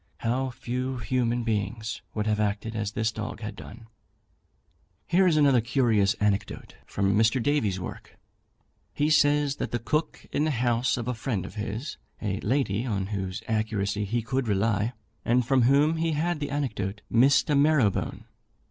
How few human beings would have acted as this dog had done! Here is another curious anecdote from Mr. Davy's work. He says that the cook in the house of a friend of his, a lady on whose accuracy he could rely, and from whom he had the anecdote, missed a marrow bone.